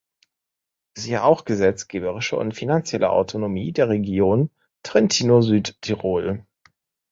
Siehe auch gesetzgeberische und finanzielle Autonomie der Region Trentino-Südtirol.